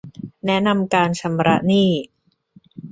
แนะนำการชำระหนี้